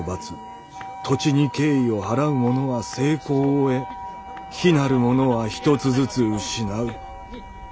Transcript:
土地に敬意を払う者は成功を『得』否なる者はひとつずつ『失う』」。